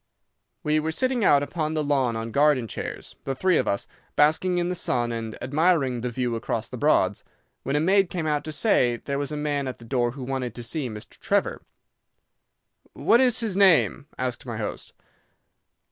"We were sitting out upon the lawn on garden chairs, the three of us, basking in the sun and admiring the view across the Broads, when a maid came out to say that there was a man at the door who wanted to see Mr. Trevor. "'What is his name?' asked my host.